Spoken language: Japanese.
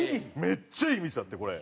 めっちゃいい店あってこれ。